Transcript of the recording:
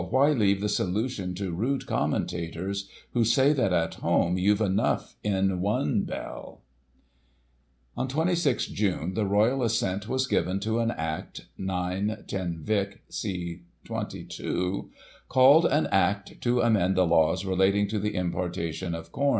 Why leave the solution to rude commentators. Who say, that at home, you've enough in one Belle .?" On 26 June the Royal Assent was given to an Act (9 10 Vic, c. 22), called "An Act to amend the Laws relating to the Importation of Com."